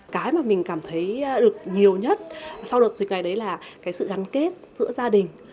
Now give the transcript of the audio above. cái mà mình cảm thấy được nhiều nhất sau đợt dịch này đấy là cái sự gắn kết giữa gia đình